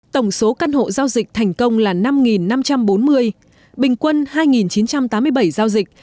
tổng số căn hộ giao dịch thành công là năm năm trăm bốn mươi bình quân hai chín trăm tám mươi bảy giao dịch